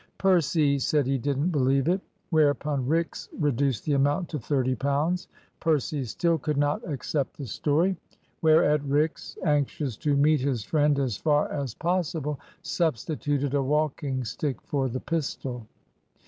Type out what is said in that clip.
Percy said he didn't believe it. Whereupon Rix reduced the amount to thirty pounds. Percy still could not accept the story. Whereat Rix, anxious to meet his friend as far as possible, substituted a walking stick for the pistol.